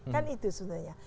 kan itu sebenarnya